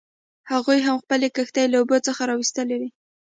هغوی هم خپلې کښتۍ له اوبو څخه راویستلې وې.